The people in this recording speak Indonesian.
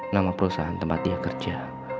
nama perusahaan tempat dia kerja